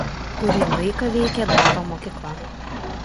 Kurį laiką veikė dvaro mokykla.